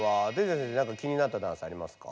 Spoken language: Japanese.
先生なんか気になったダンスありますか？